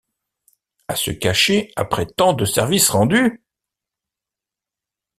à se cacher après tant de services rendus ?